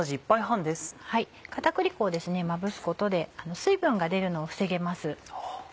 片栗粉をまぶすことで水分が出るのを防げます。